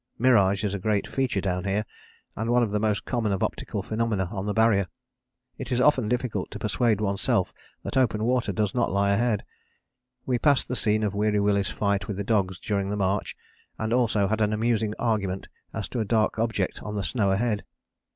Mirage is a great feature down here and one of the most common of optical phenomena on the Barrier; it is often difficult to persuade oneself that open water does not lie ahead. We passed the scene of Weary Willie's fight with the dogs during the march and also had an amusing argument as to a dark object on the snow ahead.